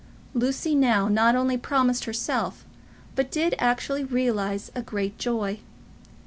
Lucy now not only promised herself, but did actually realise a great joy.